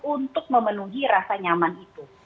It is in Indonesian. untuk memenuhi rasa nyaman itu